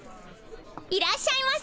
いらっしゃいませ。